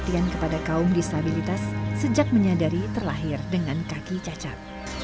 perhatian kepada kaum disabilitas sejak menyadari terlahir dengan kaki cacat